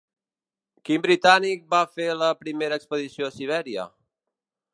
Quin britànic va fer la primera expedició a Sibèria?